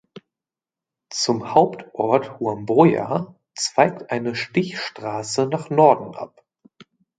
Zum Hauptort Huamboya zweigt eine Stichstraße nach Norden ab.